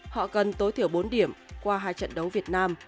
họ cần tối thiểu bốn điểm qua hai trận đấu việt nam